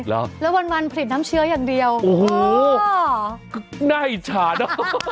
แล้ววันผลิตน้ำเชื้ออย่างเดียวโอ้โฮโอ้โฮหน้าอิจฉานะ